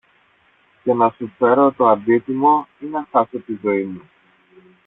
και να σου φέρω το αντίτιμο ή να χάσω τη ζωή μου